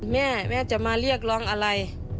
แม่แม่จะมาเรียกร้องอะไร